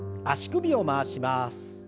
足首を回します。